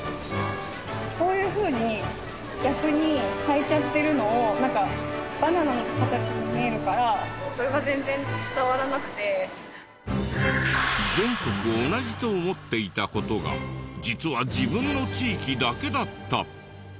こういうふうに逆に履いちゃってるのをなんか全国同じと思っていた事が実は自分の地域だけだった！